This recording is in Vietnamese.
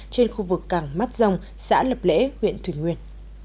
trên khu vực cảng mát rồng xã lập lễ huyện thủy nguyên